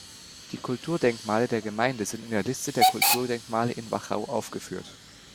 Die Kulturdenkmale der Gemeinde sind in der Liste der Kulturdenkmale in Wachau aufgeführt.